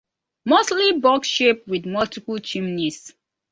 Mostly box shaped with multiple chimneys.